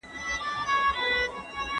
¬ چي وائې ورې، ووايه، چي وې وينې، مه وايه.